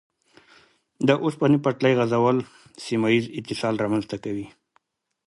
د اوسپنې پټلۍ غځول سیمه ییز اتصال رامنځته کوي.